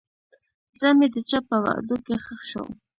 زړه مې د چا په وعدو کې ښخ شو.